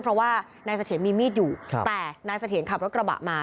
เพราะว่านายเสถียรมีมีดอยู่แต่นายเสถียรขับรถกระบะมา